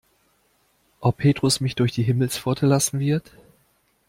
Ob Petrus mich durch die Himmelspforte lassen wird?